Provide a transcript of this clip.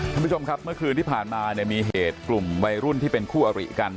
คุณผู้ชมครับเมื่อคืนที่ผ่านมาเนี่ยมีเหตุกลุ่มวัยรุ่นที่เป็นคู่อริกัน